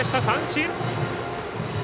三振。